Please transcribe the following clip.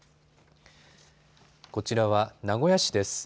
こちらは名古屋市です。